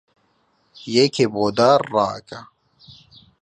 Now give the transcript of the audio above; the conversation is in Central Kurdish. یەکێ بۆ دار ڕائەکا